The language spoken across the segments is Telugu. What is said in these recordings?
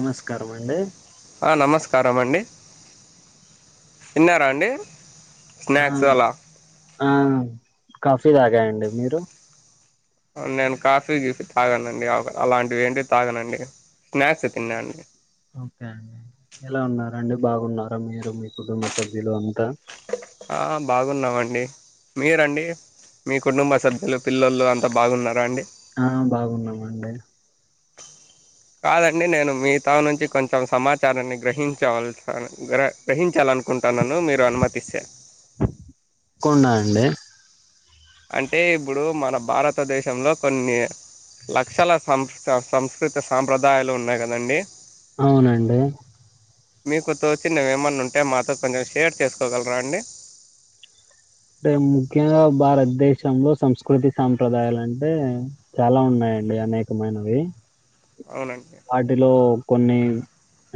నమస్కారం అండి ఆ నమస్కారం అండి తిన్నారా అండి ఆ స్నాక్స్ అలా ఆ కాఫీ తాగా అండి మీరు ఆ నేను కాఫీ గిఫీ తాగనండి. అలాంటివి ఏంటివి తాగనండి. స్నాక్స్ తిన్నా అండి. ఓకే అండి ఎలా ఉన్నారండి. బాగున్నారా మీరు మీ కుటుంబ సభ్యులు అంతా. ఆ బాగున్నామండి. మీరండి మీ కుటుంబ సభ్యులు పిల్లొల్లు అంతా బాగున్నారా అండి. ఆ బాగున్నామండి కాదండి నేను మీ తవ్ నుంచి కొంచెం సమాచారాన్ని గ్రహించవలసి గ్రహించాలనుకుం తనను మీరు అనుమతిస్తే కుండా అండి అంటే ఇప్పుడు మన భారతదేశంలో, కొన్ని లక్షల సం సంస్కృతి సాంప్రదాయాలు ఉన్నాయి కదండి. అవునండి మీకు తోచినవి ఏమన్నా ఉంటే మాతో కొంచెం షేర్ చేసుకోగలరా అండి అంటే ముఖ్యంగా భారతదేశంలో, సంస్కృతి, సాంప్రదాయాలు అంటే చాలా ఉన్నాయండి అనేకమైనవి. అవునండి వాటిలో కొన్ని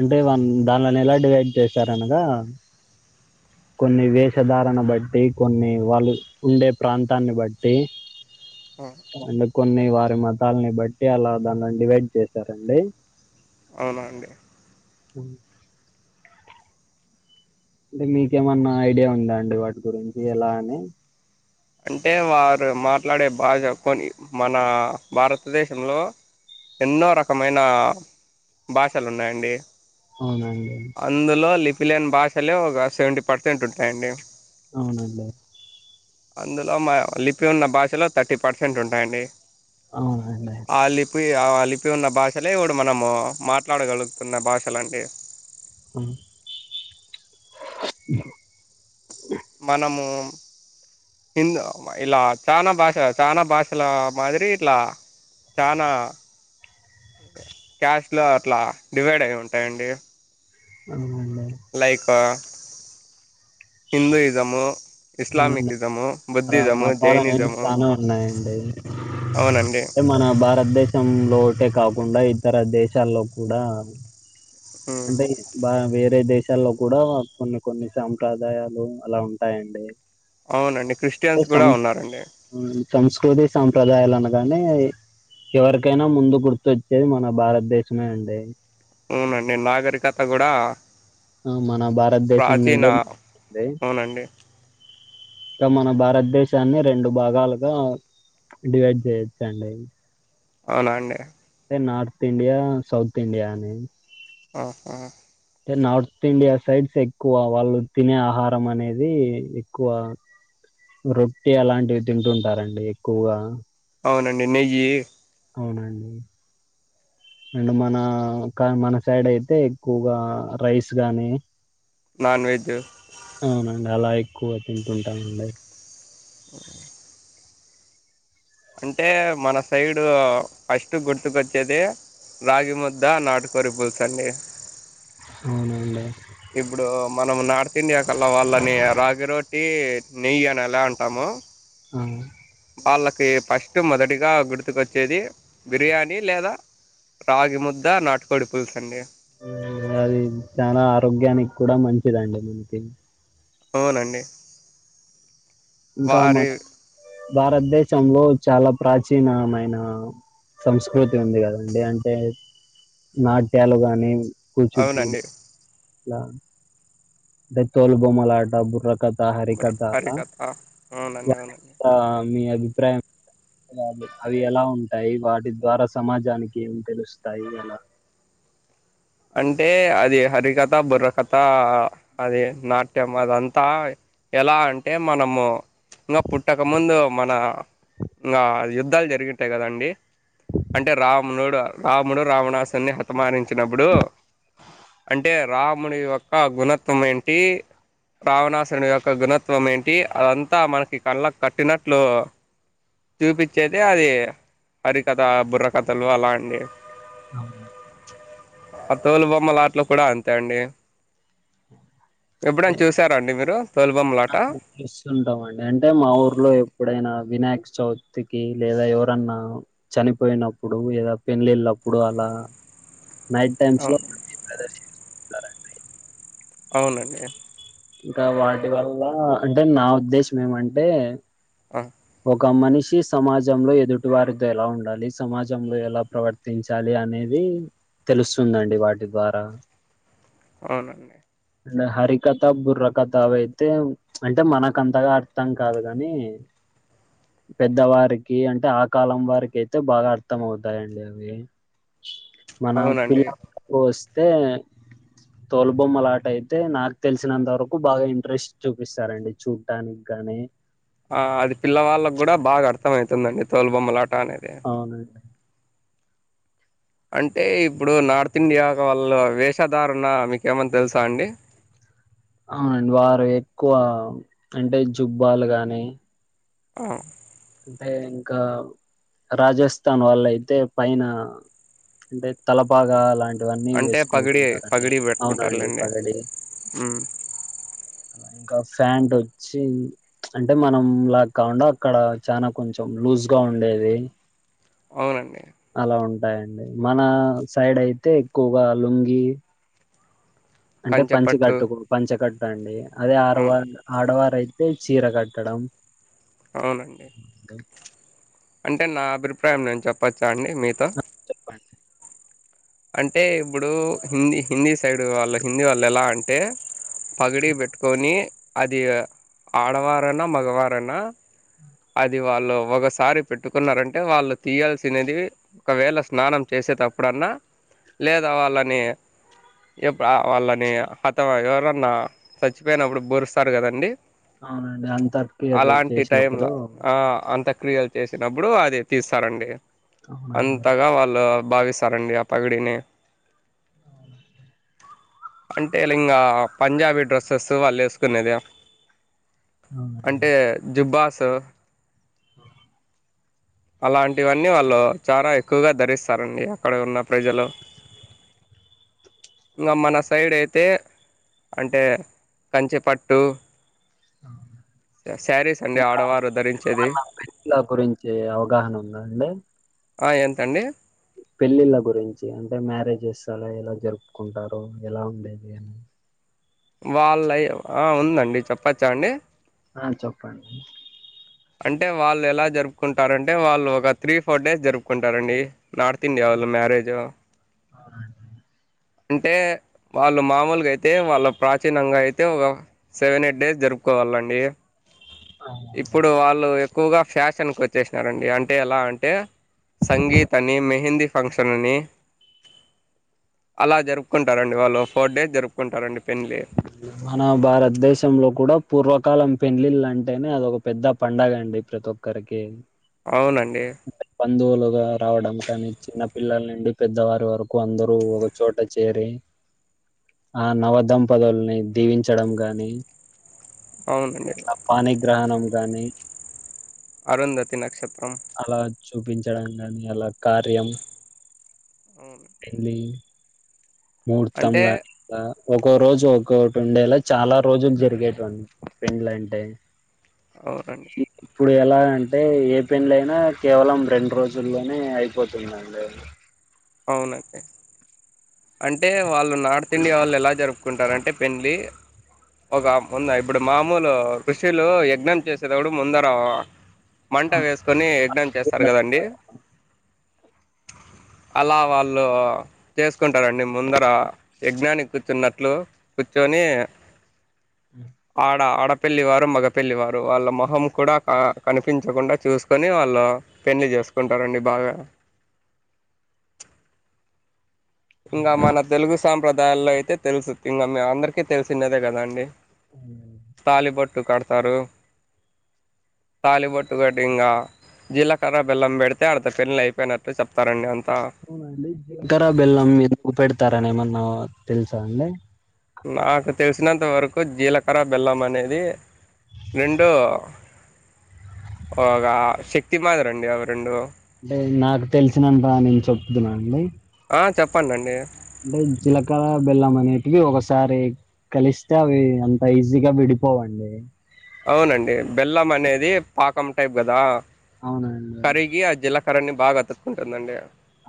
అంటే వన్ దాన్లని ఎలా డివైడ్ చేశారు. అనగా కొన్ని వేషధారను బట్టి కొన్ని వాళ్ళు ఉండే ప్రాంతాన్ని బట్టి ఆ, అందు కొన్ని వా మతాలని బట్టి అలా దాన్లని డివైడ్ చేశారండి. అవునా అండి ఉ అంటే మీకేమన్నా ఐడియా ఉందా అండి వాటి గురించి ఎలా అని అంటే వారు మాట్లాడే భాష కొని, మన భారతదేశంలో ఎన్నో రకమైన భాషలు ఉన్నాయండి. అవునండి మిలియన్ భాషలే ఒక సెవెంటీ పర్సెంట్ ఉంటాయండి. అవునండి అందులో మా లిపి ఉన్న భాషలో థర్టీ పర్సెంట్ ఉంటాయండి. అవునండి ఆ లిపి ఆ లి ఉన్న భాషలే ఇవిడు మనము మాట్లాడగలుగుతున్న భాషలండి. ఉ మనము హిందు ఇలా చాలా భాష చాలా భాషల మాదిరి ఇట్లా, చానా క్యాస్ట్లో అట్లా డివైడ్ అయి ఉంటాయండి. అవునండి లైక్ హిందుయిజము అవును అలా మతాలనేవి జైనిజము చానా ఉన్నాయండి. అవునండి అంటే మన భారతదేశం లోటే కాకుండా, ఇ ఇతర దేశాల్లో కూడా మ్మ్ అంటే బా వేర వేరే దేశాల్లో కూడా కొన్ని కొన్ని సాంప్రదాయాలు అలా ఉంటాయండి అవునండి క్రిస్టియన్స్ కూడా ఉన్నారండి సంస్కృతి సంప్రదాల అందుకే ఎవరికైనా ముందు గుర్తొచ్చేది మన భారతదేశమే అండి అవునండి నాగరికత కూడా ఆ మన భారతదేశం ప్రాచీన నుండే అవునండి ఇకా మన భారతదేశాన్ని రెండు భాగాలుగా డివైడ్ చేయొచ్చండి అవునండి నార్థ ఇండియా సాౌత్ ఇండియాని ఆఓహ అంటే నార్త్ ఇండియా సైడ్స్ ఎక్కువ వాళ్ళు తినే ఆహారం అనేది ఎక్కువ రొట్టి అలాంటివి తింటుంటారండి ఎక్కువగా అవునండి నెయ్యి అవునండి అండ్ మన మన సైడ్ అయితే ఎక్కువగా రైస్ కానీ నాన్ వెజ్ అవునాండి అలా ఎక్కువ తింటుంటాముండి అఓ అంటే మన సైడు ఫస్ట్ గుర్తుకొచ్చేది రాగి ముద్ద నాటుకోరి పులుస్ అండి అవునండి ఇప్పుడు మనం నాడు తిండియాకలా వాళ్ళని రాగి రోటి నెయ్యి అని ఎలా అంటాము అవును వాళ్ళకి ఫస్ట్ మొదటిగా గుర్తుకు వచ్చేది బిర్యానీ లేదా రాగి ముద్ద నాటుకోడి పులుసు అండి అది చాలా ఆరోగ్యానికి కూడా మంచిదండి మనకి అవునండి ఇంకా మా వారి భారతదేశ్ ప్రంలో చాలా ప్రాచీనమైన సంస్కృతి ఉంది కదండి అంటే నాట్యాలు గానీ అవునండి అంటే తోలు బొమ్మాలట బుర్రక హరి బుర్ర కథాల హరికథ అవునండి అవునండి మీ అది అిప్రాయం అవి ఎలా ఉంటాయి వాటి ద్వారా సమాజానికి ఏం తెలుస్తాయి ఎలా అంటే అది హరికథ బుర్రకథ అది నాట్యం అదంతా ఎలా అంటే మనము ఇంకా పుట్టకముందు మన ఇంకా యుద్ధాలు జరిగుంటాయి కదండి అంటే రాముణుడు రాముడు రావణాసుని హతమానించినప్పుడు ఇప్పుడు అంటే రాముడి యొక్క గుణత్వం ఏంటి రావణాసురునిడి యొక్క గుణత్వం ఏంటి అదంతా మనకి కళ్ళ కట్టినట్లు చూపించేతే అది హరికథ బుర్రకథలు అలా అంటివి అవును ఆ తోలు బొమ్మల ఆటలు కూడా అంతే అండి ఎప్పుడైనా అే చూసారా అండి మీరు తోలుబొమ్మలాట చూస్తుంటాము అండి అంటే మా ఊర్లో ఎప్పుడైనా వినాయక్ చవితికి లేదా ఎవరన్నా చనిపోయినప్పుడు లేదా పెళ్ళళ్ళప్పుడు అలా నైట్ టైమ్స్ లో అవును ప్రదర్ సరే అవునండి ఇంకా వాటి వల్ల అంటే నా ఉద్దేశం ఏమంటే ఆ ఒక మనిషి సమాజంలో ఎదుటి వారితో ఎలా ఉండాలి సమాజంలో ఎలా ప్రవర్తించాలి అనేది తెలుస్తుందండి వాటి ద్వారా అవునండి. అంటే హరికత ఇంత బుర్రకథ అవి అయితే అంటే మనకు అంతగా అర్థం కాదు కానీ పెద్దవారికి అంటే ఆ కాలం వారికి అయితే బాగా అర్థం అవుతాయిండి అవి. మన పి అవునండి వస్ అయితే తోలుబొమ్మల ఆట అయితే నాకు తెలిసినంత వరకు బాగా ఇంట్రెస్ట్ చూపిస్తారండి చూడ్టానికి గాని ఆ అది పిల్లవాళ్ళకి కూడా బాగా అర్థం అయితుందండి తోలు బొమ్మలా అవునండి అంటే ఇప్పుడు నార్త్ ఇండియా వాళ్ళ వేషధారణ మీకు ఏమన్నా తెలుసా అండి అవునండి వారు ఎక్కువ అంటే జుబ్బాలు గానీ ఆ అంటే ఇంకా రాజస్థాన్ వాళ్లు అయితే పైన అంటే తలపాగా అలాంటివన్నీ అంటే పగిడి వేసుకుంటుంటారండి పగిడి అవునా అండి పెట్టుకుంటారులేండి. పగడి హ్మ్. అలా ఇంకా ఫ్యాంట్ వచ్చి అంటే మనం ఎక్కడుంటే అక్కడ చనా కొంచం లూజ్ గ ఉండేది అవునండి అలా ఉంటాయండి మన సైడ్ అయితే ఎక్కువగా లుంగి అంటే కంచెపట్టు పంచకట్టుకు పంచకట్టు ప్పండి అదే ఆడవ అవును. ఆడవారయి అయితే చీర కట్టడం అవునండి అంటే నా అభిప్రాయం మేం చెప్పచ్చా అండి మీతో చెప్పండి అంటే ఇప్పుడు హిందీ హిందీ సైడ్ వాళ్ళ హిందీ వాళ్ళు ఎలా అంటే పగిడి పెట్టుకొని అది ఆడవారనా మగవారనా అది వాళ్ళు ఒకసారి పెట్టుకున్నారంటే వాళ్ళు తీయాల్సినది ఒకవేళ స్నానం చేసేటప్పుడన్నా. లేదా వాళ్ళని ఎప్పు వాళ్ళని అత ఎవరన్నా చచ్చిపోయినప్పుడు పరుస్తారు కదండి అవునండి అంతక్రియలు చేసినప్పుడు క్రియలు చేసినప్పుడు అది తీస్తారండి అవునండి అంతగా వాళ్ళు బావిస్తారూ అండి పగిడిని అంటే ఇంగ పంజాబీ డ్రెస్సెస్ వాళ్ళు వేసుకునేద. అవునండి అంటే జుబ్బాస్ త్త ఆ అలాంటివన్నీ వాళ్ళు చాలా ఎక్కువగా ధరిస్తారండి అక్కడ ఉన్న ప్రజలు ఇంకా మన సైడ్ అయితే అంటే కంచిపట్టు శారీస్ అండి ఇంకా ఆడవారు ధరించేది ఏమన్నా పెళ్ళిళ్ళ గురించి అవగాహన ఉందా అండి ఆ ఎంతండి పెళ్ళిళ్ళ గురించి అంటే మ్యారేజెస్ అలా ఎలా జరుపుకుంటారు ఎలా ఉండేది అని వాళ్ళయ ఆ ఉందండి చెప్పచ్చా అండి అ చెప్పండి అంటే వాళ్ళు ఎలా జరుపుకుంటారు అంటే వాళ్ళు ఒక త్రీ ఫోర్ డేస్ జరుపుకుంటారండి నార్త్ ఇండియావాళ్ళు మ్యారేజ అంటే వాళ్ళు మామూలుగా అయితే వాళ్ళ ప్రాచీనంగా అయితే ఒక సెవెన్ ఎయిట్ డేస్ జరుపుకోవాలండి ఇప్పుడు వాళ్ళు ఎక్కువగా ఫ్యాషన్కి వచ్చేసినారండి అంటే ఎలా అంటే సంగీతని మెహందీ ఫంక్షన్ అని అలా జరుపుకుంటారండి వాళ్ళు ఫోర్ డేస్ జరుపుకుంటారండి పెండ్లి మన భారతదేశంలో కూడా పూర్వకాలం పెళ్లిళ్ళంటేనే అదొక పెద్ద పండగ అండి ప్రతి ఒక్కరికి అవునండి బంధువులుగా రావడం కానీ చిన్న పిల్లల నుండి పెద్దవారి వరకు అందరూ ఒక చోట చేరి ఆ నవదంపతుల్ని దీవించడం గాని అవునండి ఆ పాని గ్రహణం కానీ అరుంధతి నక్షత్ర అలా చూపించడానికి అనిాల [unintelligible] కార్యం అవును పెండ్లి ముహూర్తమ్ అంటే గాని ఒక్కో రోజు ఒక్కొటి ఉండేలా చాలా రోజులు జరిగేటివి పెండ్లంటే అవునండి ఇప్పుడు ఎలా అంటే ఏ పెండ్లయ నా కేవలం రెండు రోజుల్లోనే అయిపోతుందండి అవునండి అంటే వాళ్ళు నార్త్ ఇండియా వాళ్ళు ఎలా జరుపుకుంటారంటే పెళ్లి ఒక ముంద ఇప్పుడు మామూలు ఋషిలు యజ్ఞం చేసేటప్పుడు ముందర మంట వేసుకొని యజ్ఞం చేస్తారు కదండి అలా వాళ్ళు చేసుకుంటారండి ముందర యజ్ఞానికి కూర్చున్నట్లు కూర్చొని ఆడ ఆడ పెళ్లివారు మగ పెళ్లివారు వాళ్ళ మొహం కూడా కనిపించకుండా చూసుకొని వాళ్ళు పెళ్ళి చేసుకుంటారండి బాగా ఇంకా మన తెలుగు సాంప్రదాయ ఉదాల్లో [unintelligible] అయితే తెలుసు ఇంకా మ అందరికీ తెలిసన్నదే కదా అండి తాళిబొట్ ట్టు కడతారూ. తాలిబొట్టు కట్టి ఇంగా జీలకర్ర బెల్లం పెడితే ఆళ్లతో పెళ్లైపోయినట్టు చెప్తారండి అం అవునండి జిలకరాబెల్మ్ పెడతారనీ ఏమన్నా తెల్సా అండి. నాకు తెలిసినంత వరకు జీలకర్ర బెల్లం అనేది, రెండూ, ఒగా శక్తి మాదిరి అండి అవి రెండూ. అంటే నాకు తెలిసినంతా, నేన్ చెప్తున్నా అండి. ఆ చెప్పండండీ. అంటే జీలకర బెల్లం అనేటివి ఒకసారి కలిస్తే అవి అంత ఈజీగా విడిపోవండి. అవునండి బెల్లం అనేది పాకం టైప్ కదా. అవునండి కరిగి ఆ జిలకరణి. బాగా అతుకుంటదండి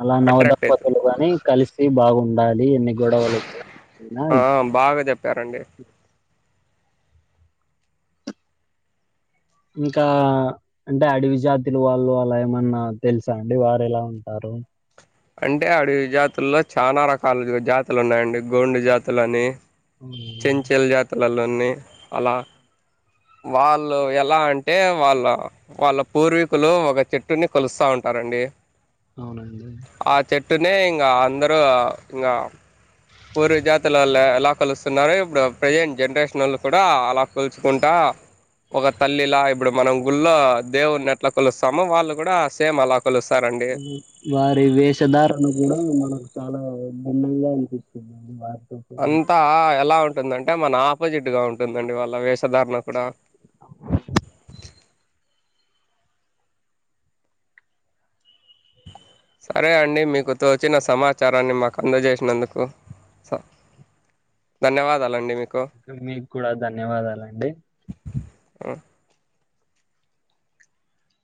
అలా నవదంపతులు కాని కలిసి బాగుండాలి ఎన్ని గొడవలు వచ్చనా. ఆ, బాగా చెప్పారండి ఇంకా, అంటే అడవి జాతిలు వాళ్ళు అలా ఏమన్నా తెలుసా అండి వారు ఎలా ఉంటారో. అంటే అడవి జాతుల్లో చానా రకాలు జాతులు ఉన్నాయండి గోండు జాతులు అనీ అవునండి చెంచెల్ జాతులలో నే అలా, వాళ్ళు ఎలా అంటే వాళ్ళ వాళ్ళ పూర్వీకులు ఒక చెట్టుని కొలుస్తా ఉంటారండి. అవునండి కా అందరూ ఇంగా పూర్వ జాతులల్లే ఎలా కొలుస్తున్నారు ఇప్పుడు ప్రెజెంట్ జనరేషనోళ్ళు కూడా అలా కొలుచుకుంటా, ఒక తల్లిలా ఇప్పుడు మనం గుళ్ళో దేవుడిని ఎట్ల కొలుస్తామో, వాళ్ళు కూడా సేమ్ అలా కొలుస్తారండి వారి వేషధారన కూడా మనకు చాలా భిన్నంగా అనిపిస్తుంది అండి వారిద్ అంతా ఎలా ఉం టుందంటే మన ఆపోజిట్ గా ఉంటుందండి వాళ్ళ వేషధారణ కూడా. సరే అండి మీకు తోచిన సమాచారాన్ని మాకు అందజేసినందుకు స ధన్యవాదాలండి మీక్ మీకూడా ధన్యవాదాలండి. ఏ